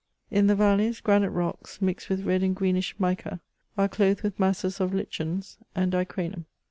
In the valleys, granite rocks, mixed with red and greenish mica, are clothed with masses of lichens, and dicranum.